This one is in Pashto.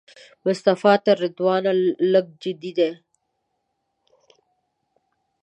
مصطفی تر رضوان لږ جدي دی.